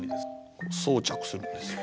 装着するんですよ。